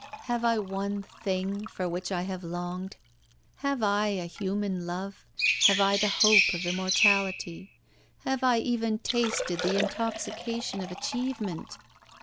Have I one thing for which I have longed ? Have I a human love, have I the hope of immor. tality, have I even tasted the intoxication of achievement